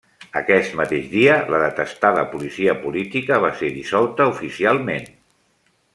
Aquest mateix dia la detestada policia política va ser dissolta oficialment.